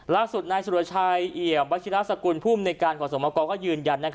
ล่าสุดนายศัลวชัยเยี่ยมบัชชินาสกุลผู้อำนวยการขอสมกรก็ยืนยัน